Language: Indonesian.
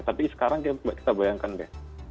tapi sekarang kita bayangkan deh